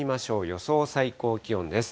予想最高気温です。